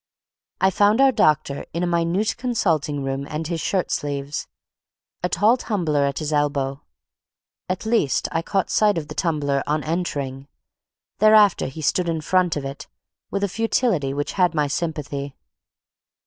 I found our doctor in a minute consulting room and his shirt sleeves, a tall tumbler at his elbow; at least I caught sight of the tumbler on entering; thereafter he stood in front of it, with a futility which had my sympathy.